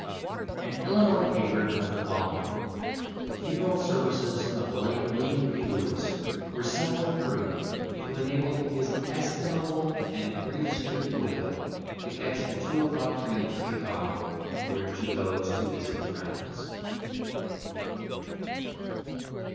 An Illinois paper has the following: "The funeral services of the late William P. Lewis were somewhat hurried to enable his estimable and grief stricken widow to catch the two o'clock train for Chicago, where she goes to visit friends."